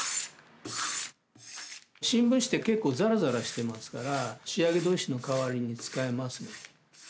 新聞紙って結構ザラザラしてますから仕上げ砥石の代わりに使えますね。